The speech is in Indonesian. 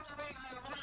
tidak tidak tidak